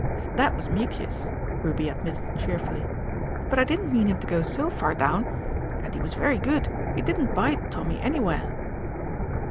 "That was Mucius," Ruby admitted cheerfully. "But I didn't mean him to go so far down. And he was very good he didn't bite Tommy anywhere."